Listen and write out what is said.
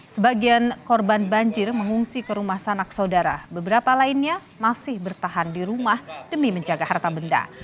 sebagian korban banjir mengungsi ke rumah sanak saudara beberapa lainnya masih bertahan di rumah demi menjaga harta benda